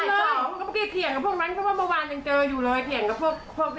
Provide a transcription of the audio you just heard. ก็เมื่อกี้เทียนกับพวกนั้นเค้าว่าเมื่อวานยังเจออยู่เลย